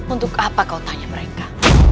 untuk apa kau tanya mereka